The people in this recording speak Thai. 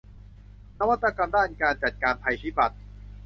นวัตกรรมด้านการจัดการภัยพิบัติ